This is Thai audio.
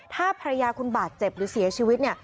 ถ้าภรรยาคุณบาดเจ็บหรือเสียชีวิต